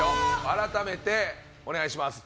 改めてお願いします。